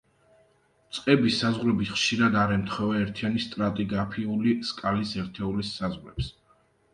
წყების საზღვრები ხშირად არ ემთხვევა ერთიანი სტრატიგრაფიული სკალის ერთეულის საზღვრებს.